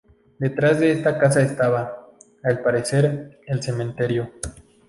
Detrás de esta casa estaba, al parecer, el cementerio.